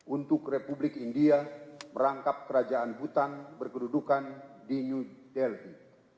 untuk republik india merangkap kerajaan hutan berkedudukan di new delhi